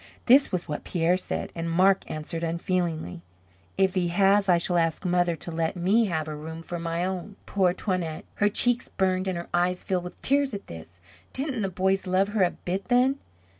This was what Pierre said; and Marc answered unfeelingly: "If he has, I shall ask mother to let me have her room for my own." Poor Toinette, her cheeks burned and her eyes filled with tears at this. Didn't the boys love her a bit then?